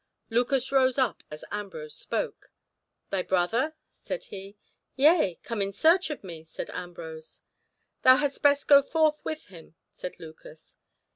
Lucas rose up as Ambrose spoke. "Thy brother?" said he. "Yea—come in search of me," said Ambrose. "Thou hadst best go forth with him," said Lucas.